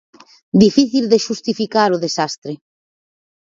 Difícil de xustificar o desastre.